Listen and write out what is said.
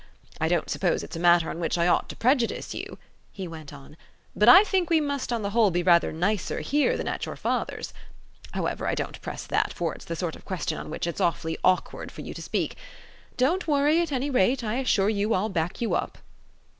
I don't suppose it's a matter on which I ought to prejudice you," he went on; "but I think we must on the whole be rather nicer here than at your father's. However, I don't press that; for it's the sort of question on which it's awfully awkward for you to speak. Don't worry, at any rate: I assure you I'll back you up."